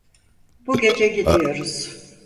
Bu gece gidiyoruz.